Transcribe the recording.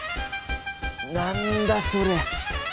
何だそれ！